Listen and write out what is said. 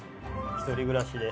一人暮らしで。